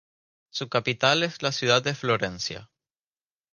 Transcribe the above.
Su capital es la ciudad de Florencia.